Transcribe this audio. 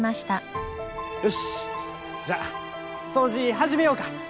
よしじゃあ掃除始めようか！